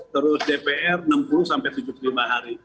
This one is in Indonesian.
terus dpr enam puluh sampai tujuh puluh lima hari